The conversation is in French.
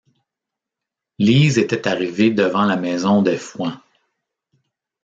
Lise était arrivée devant la maison des Fouan.